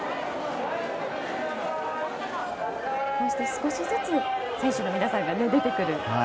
少しずつ選手の皆さんが出てくる。